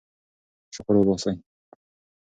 شکر وباسئ.